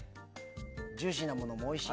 ジューシーなものもおいしい。